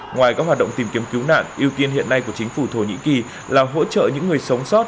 ngoài các hoạt động tìm kiếm cứu nạn ưu tiên hiện nay của chính phủ thổ nhĩ kỳ là hỗ trợ những người sống sót